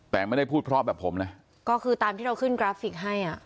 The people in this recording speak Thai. แต่ไม่ได้พูดเพราะแบบผมนะก็คือตามที่เราขึ้นกราฟิกให้อ่ะ